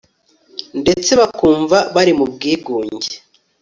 ndetse bakumva bari mu bwigunge